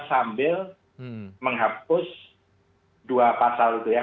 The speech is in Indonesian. sambil menghapus dua pasal itu ya